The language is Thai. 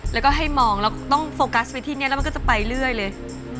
แล้วก็ให้มองแล้วก็ต้องโฟกัสไปที่นี่แล้วมันก็จะไปเรื่อยเลย